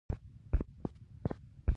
د هغې ورځې په سبا یې له زندان نه ایستل.